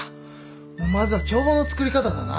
もうまずは帳簿の作り方だな。